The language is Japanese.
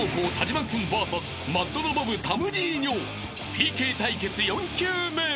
［ＰＫ対決４球目］